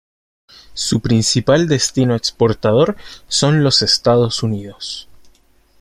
Su principal destino exportador son los Estados Unidos.